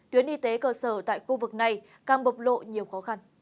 tuyến y tế cơ sở tại khu vực này càng bộc lộ nhiều khó khăn